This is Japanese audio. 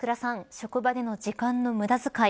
職場での時間の無駄使い